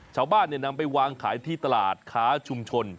ชาวบ้านนำไปวางขายที่ตลาดค้าชุมชน